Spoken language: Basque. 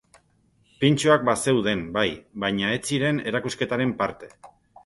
Pintxoak bazeuden, bai, baina ez ziren erakusketaren parte.